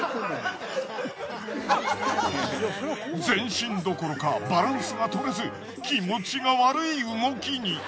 前進どころかバランスがとれず気持ちが悪い動きに。